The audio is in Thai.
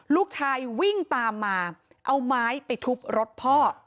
ลูกชายวิ่งตามมาเอาไม้ไปทุบรถพ่อ